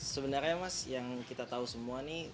sebenarnya mas yang kita tahu semua nih